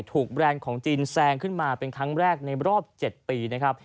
แบรนด์ของจีนแซงขึ้นมาเป็นครั้งแรกในรอบ๗ปีนะครับ